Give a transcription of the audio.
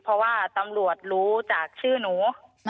เพราะว่าตำรวจรู้จากชื่อหนู